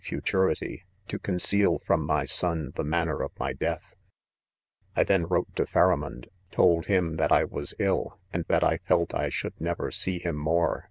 fu turity, to conceal from my son the manner of my death. I then Wrote to Pharamond, told him that I was ill, and that! felt I should ne ver see him more.